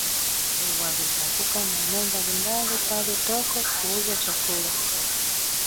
Walizunguka maeneo mbalimbali pale Toko kuuza chakula